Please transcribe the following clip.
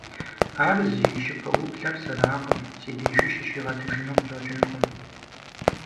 Ар зи щыпэублэр сэракъым, си дежи щыщигъэтыжыну къыщӀэкӀынкъым.